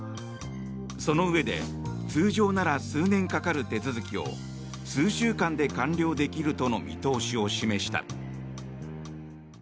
そのうえで通常なら数年かかる手続きを数週間で完了できるとの見通しを示した。